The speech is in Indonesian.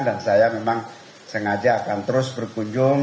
dan saya memang sengaja akan terus berkunjung